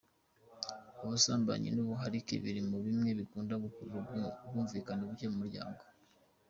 Ubusambanyi n’ubuharike biri muri bimwe bikunda gukurura ubwumvikane buke mu miryango.